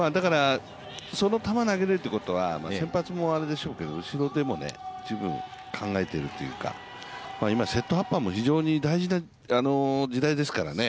その球を投げれるということは、先発はあれでしょうけど、後ろでも十分考えているというか今セットアッパーも非常に大事な時代ですからね。